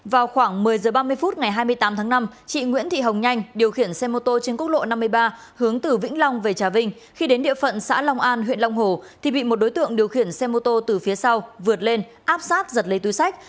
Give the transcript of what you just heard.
vào khoảng một mươi h ba mươi phút ngày hai mươi tám tháng năm chị nguyễn thị hồng nhanh điều khiển xe mô tô trên quốc lộ năm mươi ba hướng từ vĩnh long về trà vinh khi đến địa phận xã long an huyện long hồ thì bị một đối tượng điều khiển xe mô tô từ phía sau vượt lên áp sát giật lấy túi sách